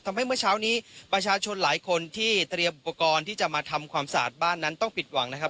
เมื่อเช้านี้ประชาชนหลายคนที่เตรียมอุปกรณ์ที่จะมาทำความสะอาดบ้านนั้นต้องผิดหวังนะครับ